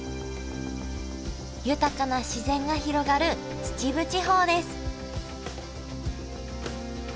豊かな自然が広がる秩父地方です